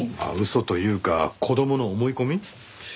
嘘というか子供の思い込み？